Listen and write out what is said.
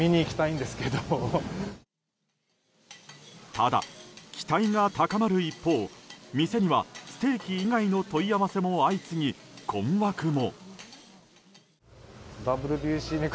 ただ、期待が高まる一方店にはステーキ以外の問い合わせも相次ぎ、困惑も。